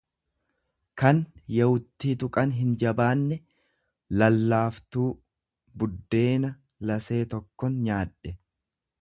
kan yawuttii tuqan hinjabaanne, lallaaftuu; Buddeena lasee tokkon nyaadhe.